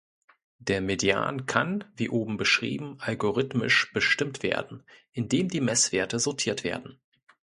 Der Median kann, wie oben beschrieben, algorithmisch bestimmt werden, indem die Messwerte sortiert werden.